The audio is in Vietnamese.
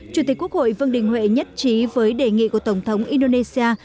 chủ tịch quốc hội vương đình huệ nhất trí với đề nghị của tổng thống indonesia